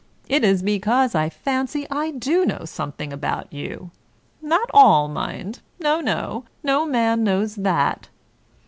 It is because I fancy I do know something about you (not all, mind — no, no ; no man knows that).